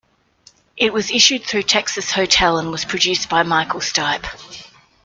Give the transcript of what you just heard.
It was issued through Texas Hotel and was produced by Michael Stipe.